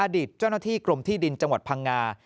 เจ้าหน้าที่กรมที่ดินจังหวัดพังงา